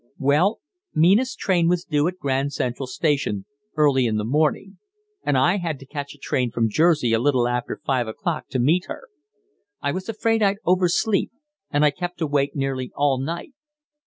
"Well, Mina's train was due at the Grand Central Station early in the morning, and I had to catch a train from Jersey a little after five o'clock to meet her. I was afraid I'd oversleep, and I kept awake nearly all night.